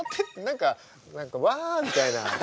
何か「わ」みたいな。